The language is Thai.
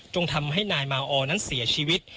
ทำให้นายมาออนั้นเสียชีวิต